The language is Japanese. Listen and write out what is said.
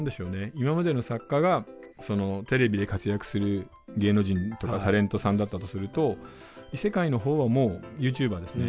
今までの作家がテレビで活躍する芸能人とかタレントさんだったとすると異世界のほうはもうＹｏｕＴｕｂｅｒですね。